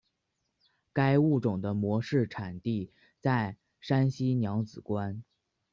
该物种的模式产地在山西娘子关。